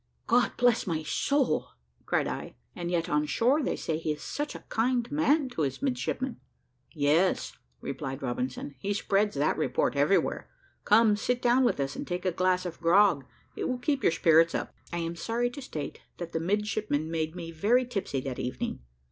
"God bless my soul!" cried I, "and yet, on shore, they say he is such a kind man to his midshipmen." "Yes," replied Robinson, "he spreads that report everywhere. Come, sit down with us and take a glass of grog; it will keep your spirits up." I am sorry to state that the midshipmen made me very tipsy that evening.